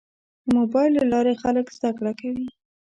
د موبایل له لارې خلک زده کړه کوي.